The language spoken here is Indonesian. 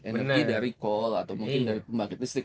energi dari call atau mungkin dari pembangkit listrik